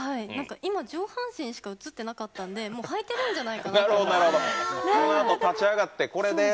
今、上半身しか映ってなかったんではいてるんじゃないかなと。